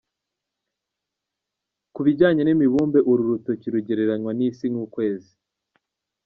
Ku bijyanye n’imibumbe uru rutoki rugereranywa n’Isi n’Ukwezi.